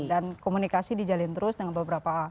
dan komunikasi dijalin terus dengan beberapa anggota dpr